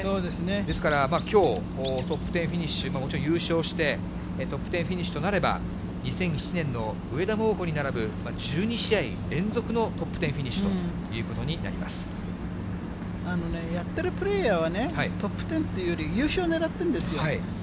ですから、きょう、トップ１０フィニッシュ、もちろん優勝して、トップ１０フィニッシュとなれば、２００７年の上田桃子に並ぶ、１２試合連続のトップ１０フやってるプレーヤーはね、トップ１０っていうより、優勝狙ってるんですよ。